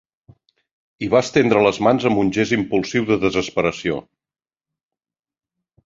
I va estendre les mans amb un gest impulsiu de desesperació.